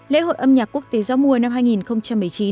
lễ hội âm nhạc quốc tế gió mùa năm hai nghìn một mươi chín